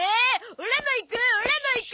オラも行くオラも行く！